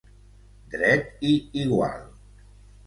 Dret i igual.